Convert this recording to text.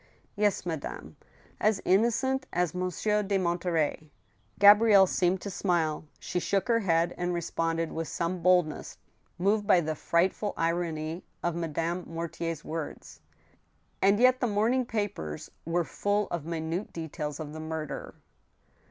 " Yes, madame ; as innocent as Monsieur de Monterey !" Gabrielle seemed to smile. She shook her head, and responded with some boldness, moved by the frightful irony of Madame Mortier's words :" And yet the morning papers were full of minute details of the murder."